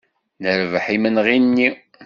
Nerbeḥ imenɣi-nni.